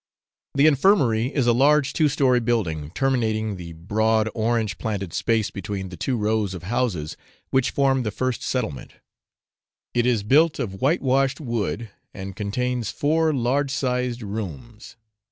The infirmary is a large two story building, terminating the broad orange planted space between the two rows of houses which form the first settlement; it is built of white washed wood, and contains four large sized rooms.